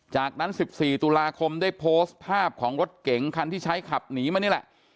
จากนั้น๑๔ตุลาคมได้โพสต์ภาพของรถเก๋งคันที่ใช้ขับหนีมานี่แหละ